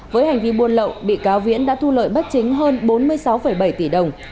với hành vi buôn lậu bị cáo viễn đã thu lợi bất chính hơn bốn mươi sáu bảy tỷ đồng